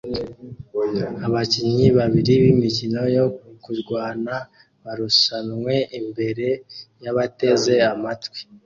Abakinnyi babiri b'imikino yo kurwana barushanwe imbere yabateze amatwi